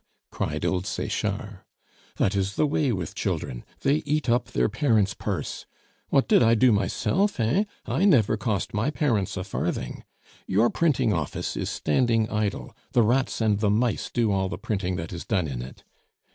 cried old Sechard. "That is the way with children; they eat up their parents' purse. What did I do myself, eh? I never cost my parents a farthing. Your printing office is standing idle. The rats and the mice do all the printing that is done in it.